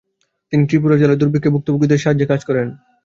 তিনি ত্রিপুরা জেলায় দুর্ভিক্ষে ভূক্তভূগীদের সাহায্যে কাজ করেন।